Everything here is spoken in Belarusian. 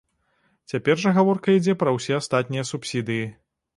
Цяпер жа гаворка ідзе пра ўсе астатнія субсідыі.